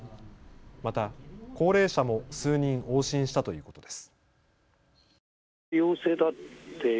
また高齢者も数人往診したということです。